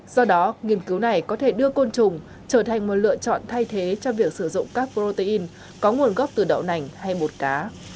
do đó nghiên cứu này có thể đưa côn trùng trở thành một lựa chọn thay thế cho việc sử dụng các protein có nguồn gốc từ đậu nành hay bột cá